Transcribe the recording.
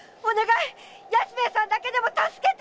安兵衛さんだけでも助けて！